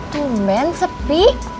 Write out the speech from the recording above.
tuh men sepi